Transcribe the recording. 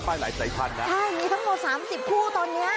มีทั้งหมด๓๐ผู้ตอนนี้